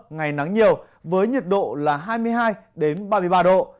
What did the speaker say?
ngày nắng nhiều với nhiệt độ là hai mươi hai ba mươi ba độ